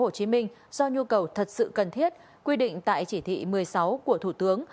lại trong phạm vi tp hcm do nhu cầu thật sự cần thiết quy định tại chỉ thị một mươi sáu của thủ tướng